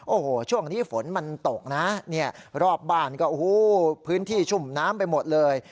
โอ้โหช่วงนี้ฝนมันตกนะเนี่ยรอบบ้านก็โอ้โหพื้นที่ชุ่มน้ำไปหมดเลย